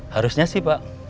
harusnya sih pak